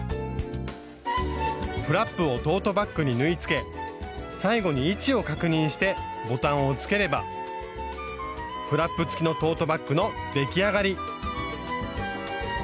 フラップをトートバッグに縫い付け最後に位置を確認してボタンをつければフラップつきのトートバッグの出来上がり。